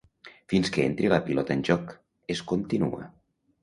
Fins que entri la pilota en joc; es continua.